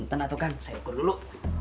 ntar nanti saya ukur dulu